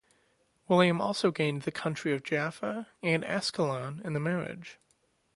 William also gained the County of Jaffa and Ascalon in the marriage.